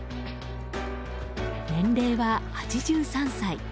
年齢は８３歳。